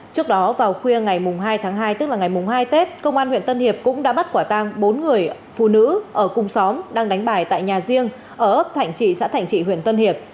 trước đó vào khuya ngày hai tháng hai tức là ngày hai tết công an huyện tân hiệp cũng đã bắt quả tang bốn người phụ nữ ở cùng xóm đang đánh bài tại nhà riêng ở ấp thạnh trị xã thạnh trị huyện tân hiệp